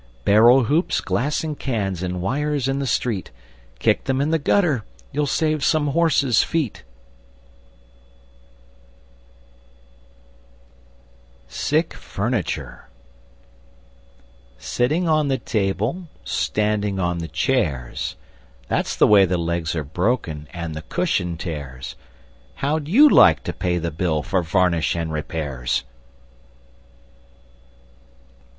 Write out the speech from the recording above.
Barrel hoops, glass, and cans, And wires in the street, Kick them in the gutter; You'll save some horse's feet! [Illustration: Sick Furniture] SICK FURNITURE Sitting on the table, Standing on the chairs, That's the way the legs are broken and the cushion tears! How'd you like to pay the bill for varnish and repairs?